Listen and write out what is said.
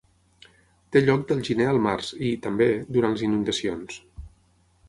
Té lloc del gener al març i, també, durant les inundacions.